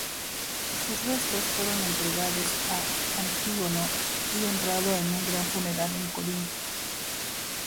Sus restos fueron entregados a Antígono y honrado con un gran funeral en Corinto.